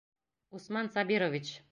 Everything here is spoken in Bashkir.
Усман Сабирович!!